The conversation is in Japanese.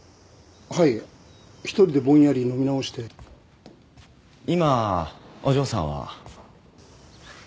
はい１人でぼんやり飲み直して今お嬢さんは？